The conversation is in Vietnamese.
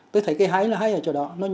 tôi thấy cái hay là hay ở chỗ đó